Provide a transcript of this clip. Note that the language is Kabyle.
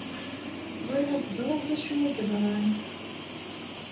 Bɣiɣ ad ẓreɣ d acu i yeḍran.